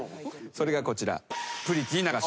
それがこちら。